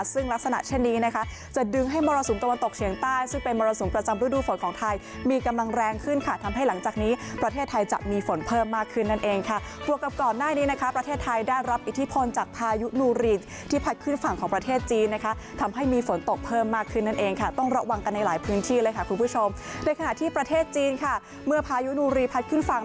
ซึ่งเป็นมรสสมประจำรูดูฝนของไทยมีกำลังแรงขึ้นค่ะทำให้หลังจากนี้ประเทศไทยจะมีฝนเพิ่มมากขึ้นนั่นเองค่ะรวบกับก่อนหน้านี้นะคะประเทศไทยได้รับอิทธิพลจากพายุนุรีที่ผลัดขึ้นฝั่งของประเทศจีนนะคะทำให้มีฝนตกเพิ่มมากขึ้นนั่นเองค่ะต้องระวังกันในหลายพื้นที่เลยค่ะค